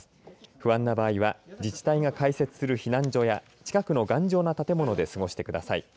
不安な場合は自治体が開設する避難所や近くの頑丈な建物で過ごしてください。